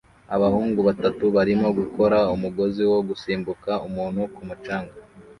Abahungu batatu barimo gukora umugozi wo gusimbuka umuntu ku mucanga